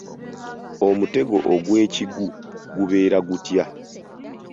Omutego ogwekigu gubeera gutya?